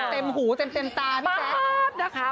เต็มหูเต็มตา